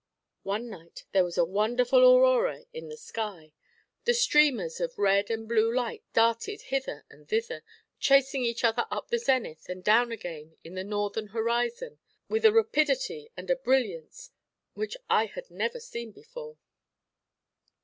One night there was a wonderful aurora in the sky. The streamers of red and blue light darted hither and thither, chasing each other up the zenith and down again to the northern horizon with a rapidity and a brilliance which I had never seen before.